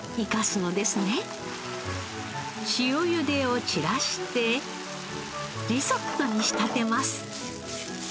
塩ゆでを散らしてリゾットに仕立てます。